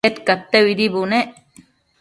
Bedcadteuidi bunec